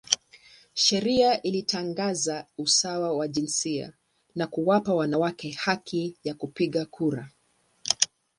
Sheria ilitangaza usawa wa jinsia na kuwapa wanawake haki ya kupiga kura.